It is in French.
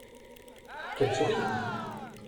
Qu’elle sourie !